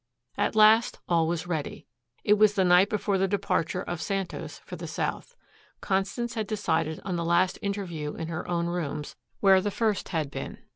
At last all was ready. It was the night before the departure of Santos for the south. Constance had decided on the last interview in her own rooms where the first had been.